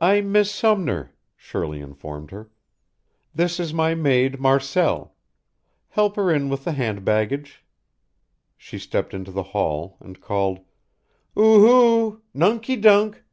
"I'm Miss Sumner," Shirley informed her. "This is my maid Marcelle. Help her in with the hand baggage." She stepped into the hall and called: "Ooh hooh! Nunky dunk!"